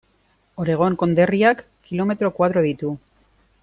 Oregon konderriak kilometro koadro ditu.